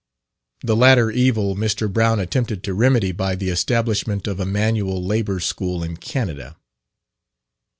The latter evil Mr. Brown attempted to remedy by the establishment of a Manual Labour School in Canada.